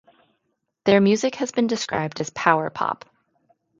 Their music has been described as power pop.